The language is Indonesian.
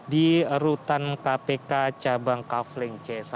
di rutan kpk cabang kafling c satu